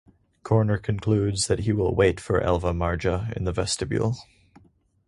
Corner concludes that he will wait for Elva Marja in the vestibule.